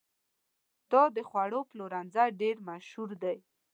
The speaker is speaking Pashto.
دا د خوړو پلورنځی ډېر مشهور دی.